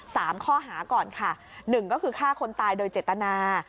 สามข้อหาก่อนค่ะหนึ่งก็คือฆ่าคนตายโดยเจตนา